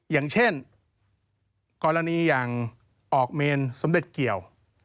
อย่างเช่นกรณีอย่างออกเมนสมเด็จเกี่ยว